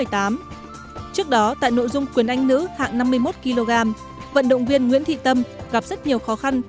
trước đó tại nội dung quyền anh nữ hạng năm mươi một kg vận động viên nguyễn thị tâm gặp rất nhiều khó khăn